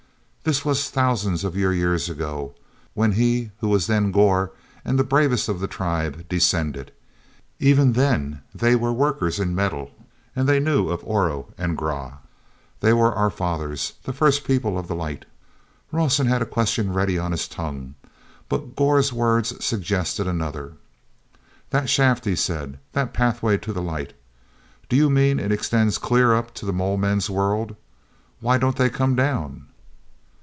This was thousands of your years ago, when he who was then Gor, and the bravest of the tribe, descended. Even then they were workers in metal and they knew of Oro and Grah. They were our fathers, the first People of the Light." awson had a question ready on his tongue, but Gor's words suggested another. "That shaft," he said, "the Pathway to the Light—do you mean it extends clear up to the mole men's world? Why don't they come down?"